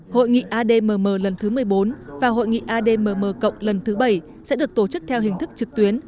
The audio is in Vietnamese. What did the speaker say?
hội nghị admm lần thứ một mươi bốn và hội nghị admm cộng lần thứ bảy sẽ được tổ chức theo hình thức trực tuyến